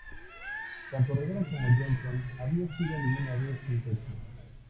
Tanto Rivera como Johnson habían sido alguna vez sin techo.